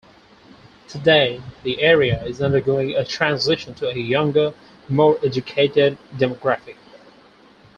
Today the area is undergoing a transition to a younger, more educated demographic.